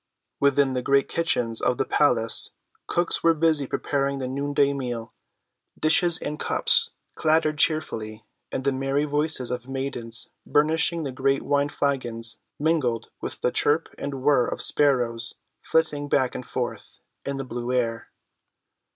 Within the great kitchens of the palace cooks were busy preparing the noonday meal; dishes and cups clattered cheerfully, and the merry voices of maidens burnishing the great wine‐flagons mingled with the chirp and whir of sparrows flitting back and forth in the blue air.